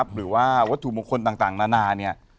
หรือว่าวัตถุมคลต่างนานา